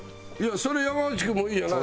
それ山内君もいいじゃない。